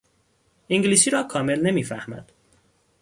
انگلیسی را کامل نمیفهمد.